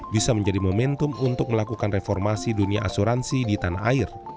bisa menjadi momentum untuk melakukan reformasi dunia asuransi di tanah air